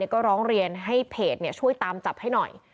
ก็ร้องเรียนให้เพจช่วยตามจับให้หน่อย